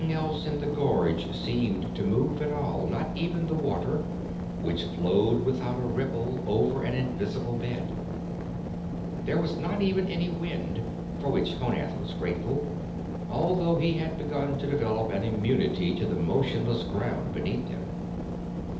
Nothing else in the gorge seemed to move at all, not even the water, which flowed without a ripple over an invisible bed. There was not even any wind, for which Honath was grateful, although he had begun to develop an immunity to the motionless ground beneath them.